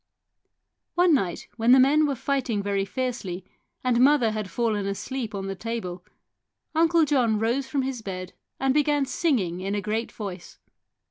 One night, when the men were fighting very fiercely and mother had fallen asleep on the table, Uncle John rose from his bed and began singing in a great voice.